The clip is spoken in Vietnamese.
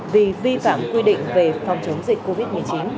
vì vi phạm quy định về phòng chống dịch covid một mươi chín